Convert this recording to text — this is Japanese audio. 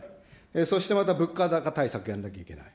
そしてまた物価高対策やんなきゃいけない。